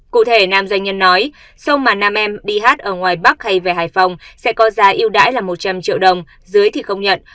cụ thể nam doanh nhân nói sâu mà nam em đi hát ở ngoài bắc hay về hải phòng sẽ có giá yêu đãi là một trăm linh triệu đồng dưới thì không nhận